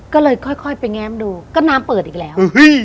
ก็เลยค่อยไปแง้มดูก็น้ำเปิดอีกแล้ว